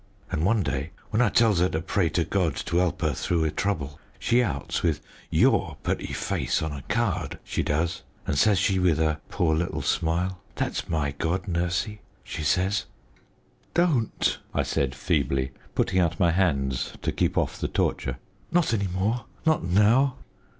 An' one day, when I tells 'er to pray to God to 'elp 'er through 'er trouble, she outs with your putty face on a card, she doez, an', says she, with her poor little smile, 'That's my god, Nursey,' she says." "Don't!" I said feebly, putting out my hands to keep off the torture; "not any more, not now."